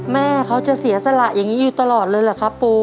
แม่เขาจะเสียสละอย่างนี้อยู่ตลอดเลยเหรอครับปู